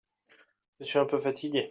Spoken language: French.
Je suis un peu fatigué.